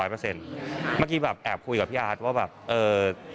เมื่อกี้แอบคุยกับพี่อาร์ทว่าแบบ